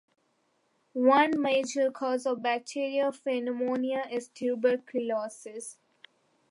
One major cause of bacterial pneumonia is tuberculosis.